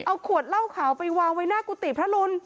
เอาขวดเหล้าขาวไปวางไว้หน้ากุฏิพระรุน